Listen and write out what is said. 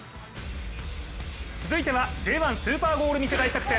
続いては、「Ｊ１スーパーゴール見せ大作戦」。